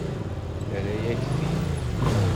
Terra-yak-t-id.